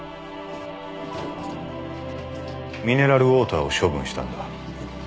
ミネラルウオーターを処分したんだ。